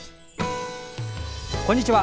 こんにちは。